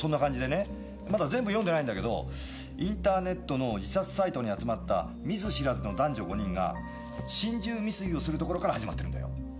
まだ全部読んでないんだけどインターネットの自殺サイトに集まった見ず知らずの男女５人が心中未遂をするところから始まってるんだよ。